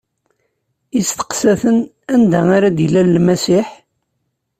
Isteqsa-ten: Anda ara d-ilal Lmasiḥ?